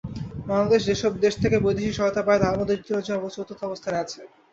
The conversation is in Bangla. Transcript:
বাংলাদেশ যেসব দেশ থেকে বৈদেশিক সহায়তা পায় তার মধ্যে যুক্তরাজ্য চতুর্থ অবস্থানে আছে।